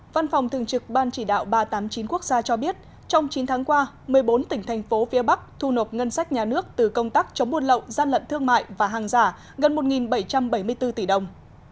văn phòng thường trực ban chỉ đạo ba trăm tám mươi chín quốc gia cho biết trong chín tháng qua một mươi bốn tỉnh thành phố phía bắc thu nộp ngân sách nhà nước từ công tác chống buôn lậu gian lận thương mại và hàng giả gần một bảy trăm bảy mươi bốn tỷ đồng